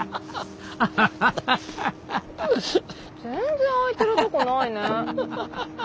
全然空いてるとこないね。